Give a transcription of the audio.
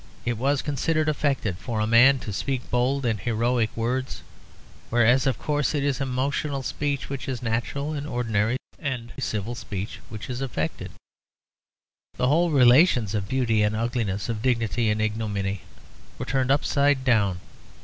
It was considered affected for a man to speak bold and heroic words, whereas, of course, it is emotional speech which is natural, and ordinary civil speech which is affected. The whole relations of beauty and ugliness, of dignity and ignominy were turned upside down.